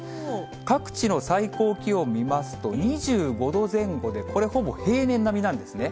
各地の最高気温見ますと、２５度前後で、これ、ほぼ平年並みなんですね。